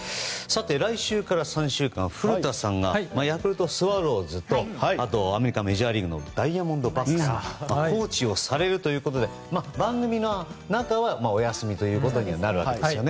来週から３週間、古田さんがヤクルトスワローズとアメリカ、メジャーリーグのチームでコーチをされるということで番組の中はお休みとなるわけですよね。